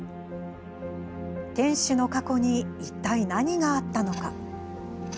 店主の過去にいったい何があったのか？